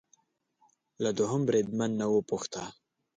له دوهم بریدمن نه وپوښته